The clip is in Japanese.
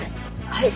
はい。